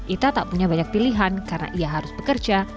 ita tak punya banyak pilihan karena ia harus bekerja